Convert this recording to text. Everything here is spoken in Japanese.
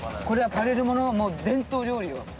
これはパレルモの伝統料理よ。